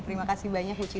terima kasih banyak ibu cinta